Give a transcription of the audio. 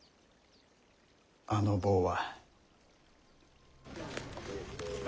あの棒は。